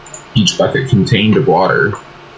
Each bucket contained of water.